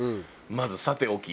まずさておき。